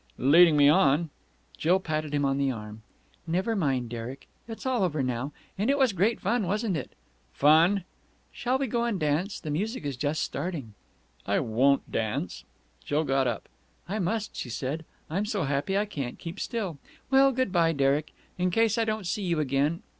"Leading me on...!" Jill patted him on the arm. "Never mind, Derek! It's all over now. And it was great fun, wasn't it!" "Fun!" "Shall we go and dance? The music is just starting." "I won't dance!" Jill got up. "I must," she said. "I'm so happy I can't keep still. Well, good bye, Derek, in case I don't see you again.